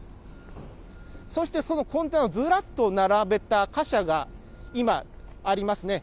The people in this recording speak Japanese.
そしてそのコンテナ、ずらっと並べた貨車が今、ありますね。